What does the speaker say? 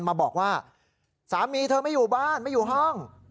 มาบอกว่าสามีเธอไม่อยู่บ้านไม่อยู่ห้อง